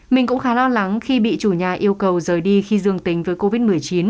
mình cũng khá lo lắng khi bị chủ nhà yêu cầu rời đi khi dương tính với covid một mươi chín